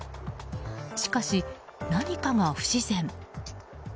しかし、何かが不自然。